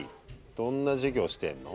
どんな授業してんの？